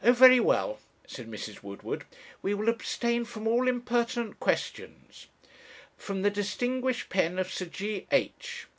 'Oh, very well,' said Mrs. Woodward, 'we will abstain from all impertinent questions' 'from the distinguished pen of Sir G H